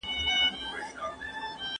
هر هدف يوه روښانه تګلاره غواړي.